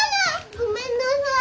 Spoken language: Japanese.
ごめんなさい。